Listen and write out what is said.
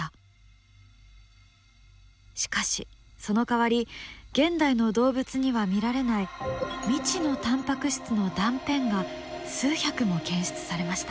しかしそのかわり現代の動物には見られない未知のタンパク質の断片が数百も検出されました。